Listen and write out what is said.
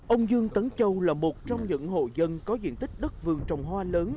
ông dương tấn châu là một trong những hộ dân có diện tích đất vườn trồng hoa lớn